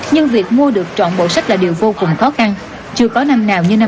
nhưng việc mua được trọn bộ sách là điều vô cùng khó khăn